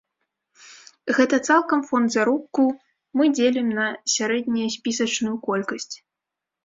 Гэта цалкам фонд заробку мы дзелім на сярэднеспісачную колькасць.